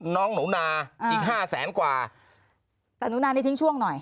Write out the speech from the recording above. น้องหนูนาอีกห้าแสนกว่าแต่หนูนานี่ทิ้งช่วงหน่อย